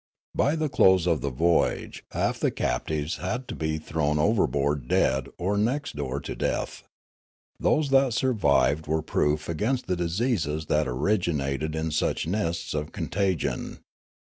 By the close of the voyage half the cap tives had to be thrown overboard dead or next door to death. Those that survived were proof against the diseases that originated in such nests of contagion.